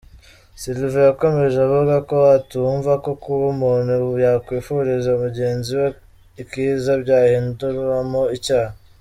Sylvain yakomeje avuga ko atumva ko kuba umuntu yakwifuriza mugenzi we ikiza byahindurwamo icyaha.